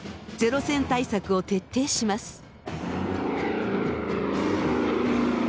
ゼロ戦対策を徹底します。